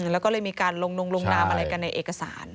แล้วก็เลยมีการลงนงลงนามอะไรกันในเอกสาร